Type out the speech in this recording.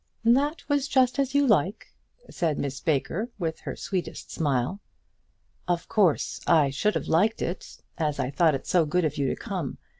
"That was just as you like," said Miss Baker with her sweetest smile. "Of course, I should have liked it, as I thought it so good of you to come.